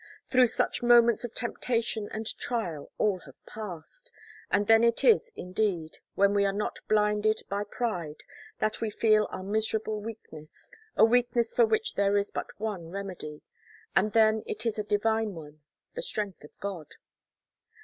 Through such moments of temptation and trial all have passed; and then it is, indeed, when we are not blinded by pride, that we feel our miserable weakness, a weakness for which there is but one remedy, but then it is a divine one the strength of God.